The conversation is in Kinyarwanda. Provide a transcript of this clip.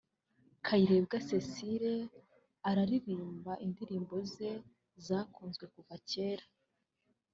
Kayirebwa Cecile araririmba indirimbo ze zakunzwe kuva kera